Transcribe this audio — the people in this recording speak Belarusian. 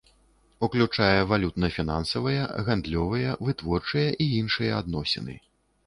Уключае валютна-фінансавыя, гандлёвыя, вытворчыя і іншыя адносіны.